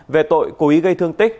về tội cố ý gây thương tích